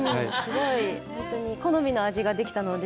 本当に好みの味ができたので、